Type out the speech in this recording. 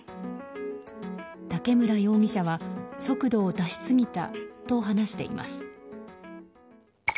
竹村容疑者は速度を出しすぎたと話しています。